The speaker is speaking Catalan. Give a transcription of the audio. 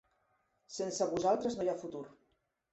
Sense vosaltres no hi ha futur.